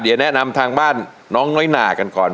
เดี๋ยวแนะนำทางบ้านน้องน้อยหนากันก่อน